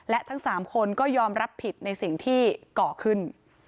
และทั้ง๓คนก็ยอมรับผิดในสิ่งที่ก่อขึ้น